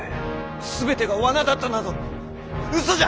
全てが罠だったなど嘘じゃ！